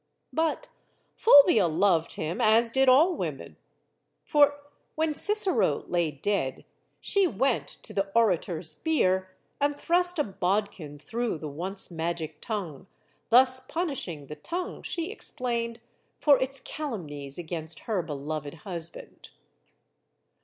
But Fulvia loved him, as did all women. For when Cicero lay dead, she went to the orator's bier and CLEOPATRA 145 thrust a bodkin through the once magic tongue; thus punishing the tongue, she explained, for its calumnies against her beloved husband.